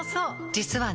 実はね